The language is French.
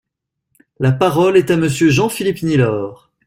La parole est à Monsieur Jean-Philippe Nilor.